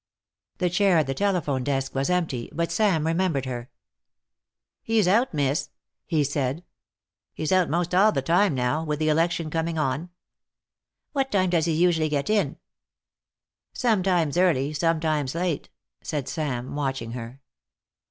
The chair at the telephone desk was empty, but Sam remembered her. "He's out, miss," he said. "He's out most all the time now, with the election coming on." "What time does he usually get in?" "Sometimes early, sometimes late," said Sam, watching her.